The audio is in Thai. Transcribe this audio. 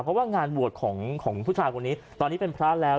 เพราะว่างานบวชของผู้ชายคนนี้ตอนนี้เป็นพระแล้ว